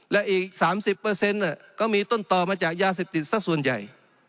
และอีกสามสิบเปอร์เซ็นต์ก็มีต้นต่อมาจากยาเสพติดสักส่วนใหญ่